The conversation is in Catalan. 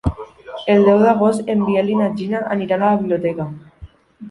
El deu d'agost en Biel i na Gina aniran a la biblioteca.